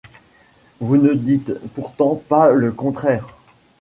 Vous ne dites pourtant pas le contraire ?